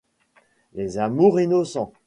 Les amours innocents